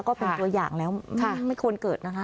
ก็เป็นตัวอย่างแล้วไม่ควรเกิดนะคะ